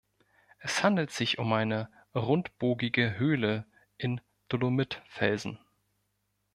Es handelt sich um eine rundbogige Höhle in Dolomitfelsen.